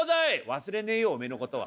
「忘れねえよおめえの事は。